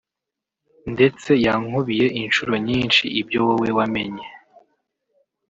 ndetse yankubiye inshuro nyinshi ibyo wowe wamenye